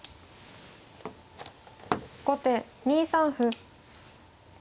後手２三歩。